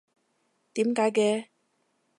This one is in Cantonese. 點解嘅？